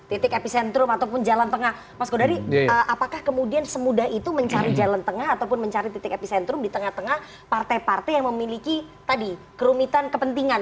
titik epicentrum ataupun jalan tengah mas kodari apakah kemudian semudah itu mencari jalan tengah ataupun mencari titik epicentrum di tengah tengah partai partai yang memiliki tadi kerumitan kepentingan